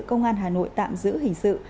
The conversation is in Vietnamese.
công an hà nội tạm giữ hình sự